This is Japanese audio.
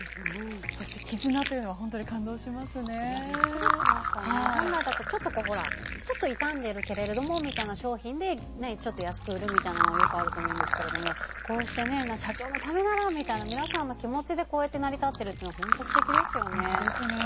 そして絆というのは本来だとちょっと傷んでるけれどもみたいな商品でねちょっと安く売るみたいなのはよくあると思うんですけれどもこうして社長のためならみたいな皆さんの気持ちでこうやって成り立っているというのは素敵ですよね。